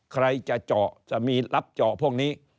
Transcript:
ใครจะเจาะจะมีรับเจาะพวกนี้